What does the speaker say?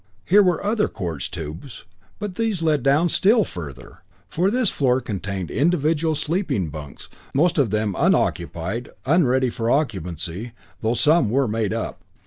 Here were other quartz tubes, but these led down still further, for this floor contained individual sleeping bunks, most of them unoccupied, unready for occupancy, though some were made up.